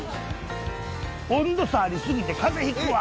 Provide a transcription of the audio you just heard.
「温度差ありすぎて風邪ひくわ」。